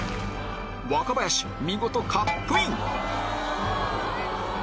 若林見事カップイン！